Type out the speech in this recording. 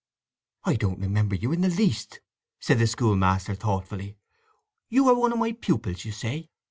"I don't remember you in the least," said the school master thoughtfully. "You were one of my pupils, you say?